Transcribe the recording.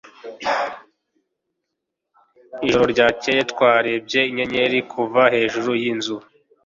ijoro ryakeye, twarebye inyenyeri kuva hejuru yinzu